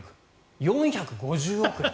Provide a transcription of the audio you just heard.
４５０億円。